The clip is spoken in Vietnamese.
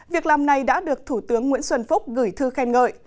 việc làm này đã được thủ tướng nguyễn xuân phúc gửi thư khen ngợi